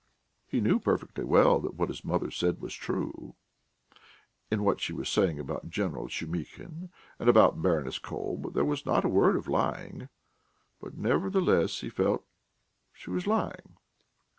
He knew perfectly well that what his mother said was true; in what she was saying about General Shumihin and about Baroness Kolb there was not a word of lying, but nevertheless he felt that she was lying.